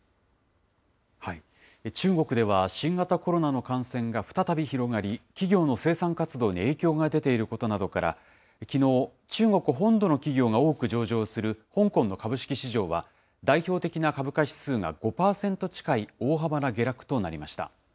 中国では、新型コロナの感染が再び広がり、企業の生産活動に影響が出ていることなどから、きのう、中国本土の企業が多く上場する香港の株式市場は、代表的な株価指数が５％近い大幅な下落となりました。